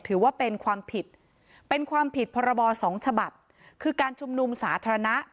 ถือว่าเป็นความผิดเป็นความผิดพรบสองฉบับคือการชุมนุมสาธารณะ